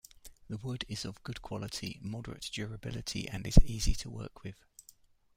The wood is of good quality, moderate durability, and is easy to work with.